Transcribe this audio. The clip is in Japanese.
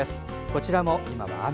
こちらも今は雨。